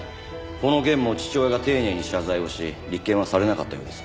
この件も父親が丁寧に謝罪をし立件はされなかったようです。